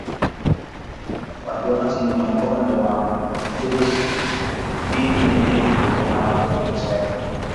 wasiwasi Miongoni mwa mbuzi viini hivyo vinaweza kuvamia viungo vingine vya mwili